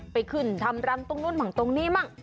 ไปขึ้นทำรังตรงนู้นมั่งตรงนี้มั่ง